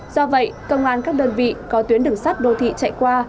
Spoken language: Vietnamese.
do vậy công an các đơn vị có tuyến đường sắt đô thị chạy qua